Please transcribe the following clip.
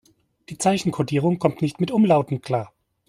Die Zeichenkodierung kommt nicht mit Umlauten klar.